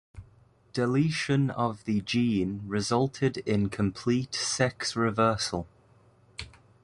Deletion of the gene resulted in complete sex reversal.